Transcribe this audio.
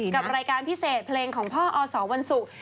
กับรายการพิเศษเพลงของพ่ออสวันศุกร์